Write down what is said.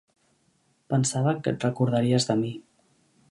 Pensava que et recordaries de mi.